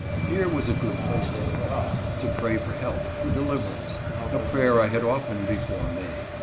Here was a good place to pray ; to pray for help, for deliverance — a prayer I had often before made.